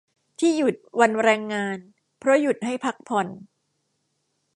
ที่หยุดวันแรงงาน เพราะหยุดให้พักผ่อน